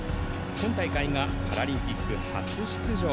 今大会がパラリンピック初出場。